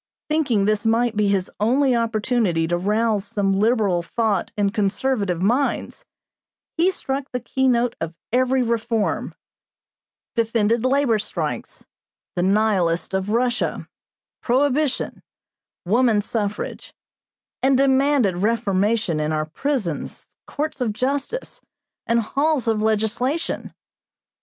Thinking this might be his only opportunity to rouse some liberal thought in conservative minds, he struck the keynote of every reform; defended labor strikes, the Nihilists of Russia, prohibition, woman suffrage, and demanded reformation in our prisons, courts of justice, and halls of legislation.